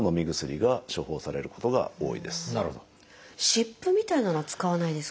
湿布みたいなのは使わないですか？